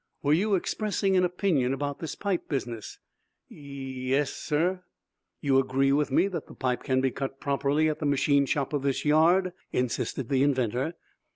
"Were you expressing an opinion about this pipe business?" "Ye es, sir." "You agree with me that the pipe can be cut properly at the machine shop of this yard?" insisted the inventor.